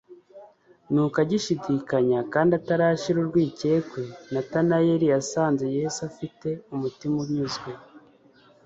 Nuko agishidikanya kandi atarashira urwikekwe Natanaeli yasanze Yesu afite umutima unyuzwe